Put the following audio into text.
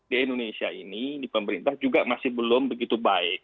di indonesia ini di pemerintah juga masih belum begitu baik